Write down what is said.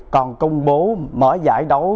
còn công bố mở giải đấu